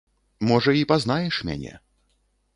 Можа і пазнаеш мяне.